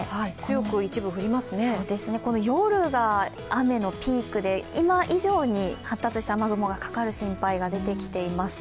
夜が雨のピークで今以上に発達した雨雲がかかる心配が出てきています。